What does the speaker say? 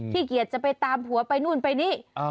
เกียจจะไปตามผัวไปนู่นไปนี่